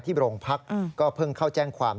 โรงพักก็เพิ่งเข้าแจ้งความ